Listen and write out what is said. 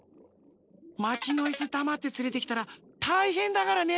まちのいすだまってつれてきたらたいへんだからね。